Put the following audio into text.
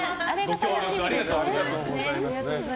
あれが楽しみですね。